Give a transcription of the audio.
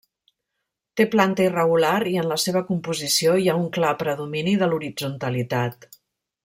Té planta irregular i en la seva composició hi ha un clar predomini de l'horitzontalitat.